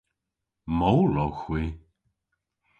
Mool owgh hwi.